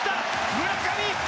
村上！